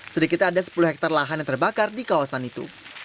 sedikit ada sepuluh hektare lahan yang terbakar di kawasan itu